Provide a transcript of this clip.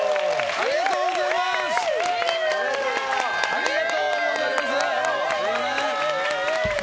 ありがとうございます！